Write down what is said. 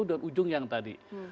dan ujung yang tadi